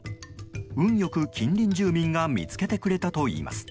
運よく近隣住民が見つけてくれたといいます。